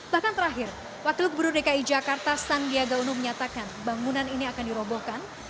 bahkan terakhir wakil gubernur dki jakarta sandiaga uno menyatakan bangunan ini akan dirobohkan